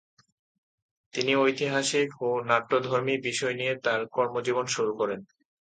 তিনি ঐতিহাসিক ও নাট্যধর্মী বিষয় নিয়ে তার কর্মজীবন শুরু করেন।